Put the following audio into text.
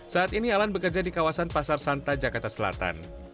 saat ini alan bekerja di kawasan pasar santa jakarta selatan